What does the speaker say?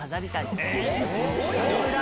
すごいな。